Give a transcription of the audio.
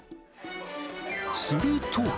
すると。